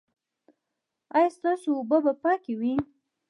ایا ستاسو اوبه به پاکې وي؟